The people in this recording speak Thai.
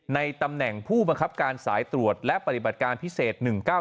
ในตำแหน่งผู้บังคับการสายตรวจและปฏิบัติการพิเศษ๑๙๙